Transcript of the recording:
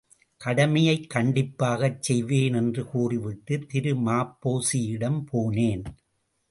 கடமையைக் கண்டிப்பாகச் செய்வேன் என்று கூறிவிட்டு, திரு ம.பொ.சி.யிடம் போனேன்.